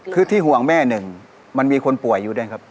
คือที่ห่วงแม่หนึ่งมันมีคนป่วยอยู่ด้วยครับ